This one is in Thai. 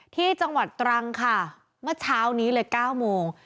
ที่จังหวัดตรังค่ะเมื่อเช้านี้เลย๙โมง